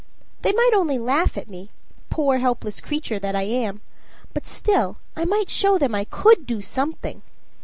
They might only laugh at me poor helpless creature that I am; but still I might show them I could do something.